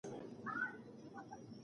خلکو د ځمکې ساتنه پيل کړې ده.